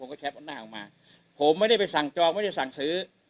ก็แป๊ปเอาหน้าออกมาผมไม่ได้ไปสั่งจองไม่ได้สั่งซื้อ